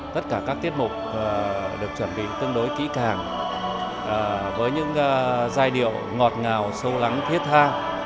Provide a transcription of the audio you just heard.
tất cả các tiết mục được chuẩn bị tương đối kỹ càng với những giai điệu ngọt ngào sâu lắng thiết tha